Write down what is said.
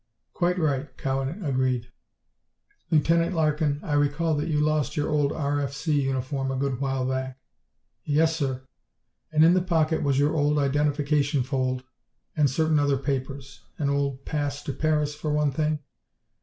"Quite right," Cowan agreed. "Lieutenant Larkin, I recall that you lost your old R.F.C. uniform a good while back." "Yes, sir." "And in the pocket was your old identification fold, and certain other papers? An old pass to Paris, for one thing?"